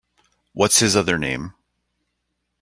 What’s his other name?